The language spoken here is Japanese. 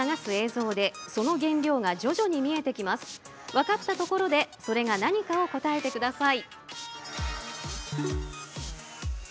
分かったところでそれが何かを答えて下さい。